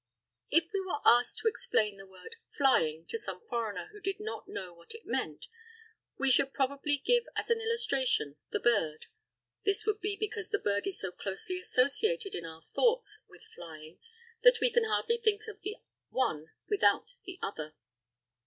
If we were asked to explain the word "flying" to some foreigner who did not know what it meant, we should probably give as an illustration the bird. This would be because the bird is so closely associated in our thoughts with flying that we can hardly think of the one without the other.